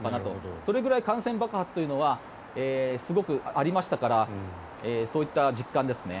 それくらい感染爆発というのはすごくありましたからそういった実感ですね。